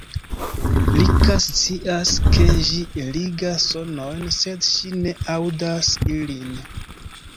Rika scias, ke ĝi eligas sonojn, sed ŝi ne aŭdas ilin.